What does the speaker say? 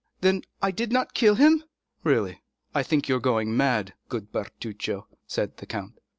"Then I did not kill him?" "Really, I think you are going mad, good Bertuccio," said the count.